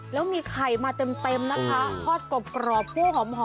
แล้วมีไข่มาเต็มนะคะพอร์สกรอบกรอบคั่วหอม